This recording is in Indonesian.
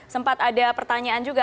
sempat ada pertanyaan juga